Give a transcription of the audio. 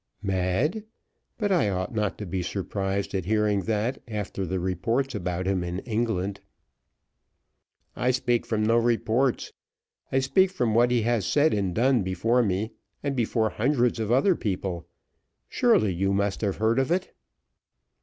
"Mad! But I ought not to be surprised at hearing that, after the reports about him in England." "I speak from no reports; I speak from what he has said and done before me, and before hundreds of other people. Surely you must have heard of it?"